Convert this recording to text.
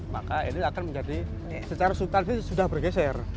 maka ini akan menjadi secara sultan ini sudah bergeser